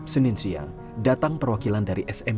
senin siang datang perwakilan dari smp